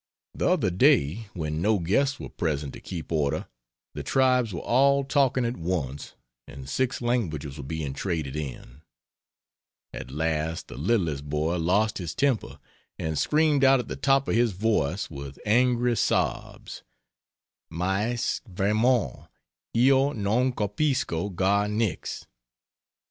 The other day, when no guests were present to keep order, the tribes were all talking at once, and 6 languages were being traded in; at last the littlest boy lost his temper and screamed out at the top of his voice, with angry sobs: "Mais, vraiment, io non capisco gar nichts."